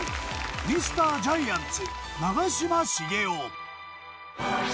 ミスタージャイアンツ長嶋茂雄。